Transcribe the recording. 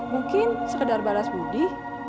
mungkin sekedar balas budi